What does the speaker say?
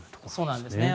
そうなんですね。